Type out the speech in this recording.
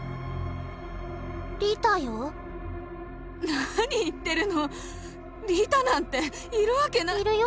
リタよ何言ってるのリタなんているわけないるよ